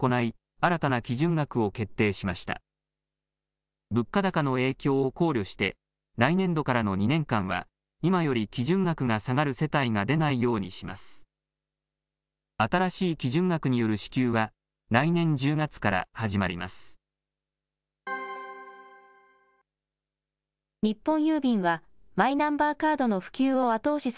新しい基準額による支給は、来年１０月から始まります。